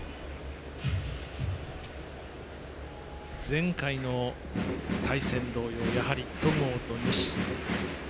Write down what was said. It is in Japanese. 前回の対戦同様やはり戸郷と西。